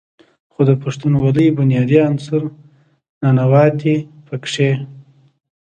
خو د پښتونولۍ بنيادي عنصر "ننواتې" پکښې